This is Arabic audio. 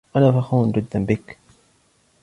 أنا فخور جداً بكَ.